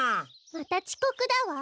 またちこくだわ。